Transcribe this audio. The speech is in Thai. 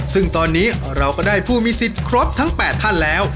ซึ่งตอนนี้เราก็ได้ผู้มีสิทธิ์ครบทั้ง๘ท่านแล้ว